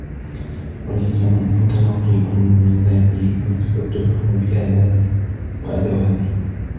وَلَيْسَ مَنْ أَمْكَنَهُ شَيْءٌ مِنْ ذَاتِهِ ، كَمَنْ اسْتَوْجَبَهُ بِآلَتِهِ ، وَأَدَوَاتِهِ